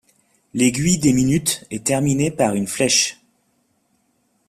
L'aiguille des minutes est terminée par une flèche.